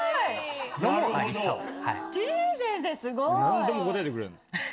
何でも答えてくれるの。